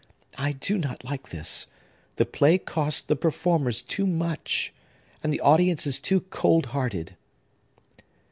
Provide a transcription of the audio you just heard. I do not like this. The play costs the performers too much, and the audience is too cold hearted."